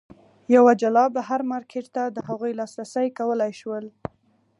یوه جلا بهر مارکېټ ته د هغوی لاسرسی کولای شول.